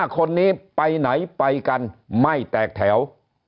๕คนนี้ไปไหนไปกันไม่แตกแถว